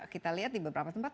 kita lihat di beberapa tempat